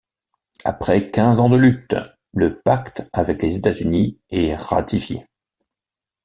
Après quinze ans de lutte, le pacte avec les États-Unis est ratifié.